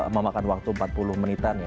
memakan waktu empat puluh menitan ya